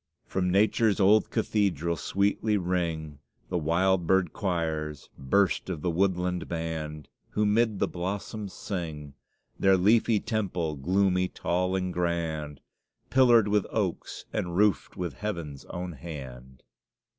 From nature's old cathedral sweetly ring The wild bird choirs burst of the woodland band, who mid the blossoms sing; Their leafy temple, gloomy, tall and grand, Pillared with oaks, and roofed with Heaven's own hand.